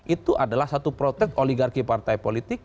itu adalah satu protek oligarki partai politik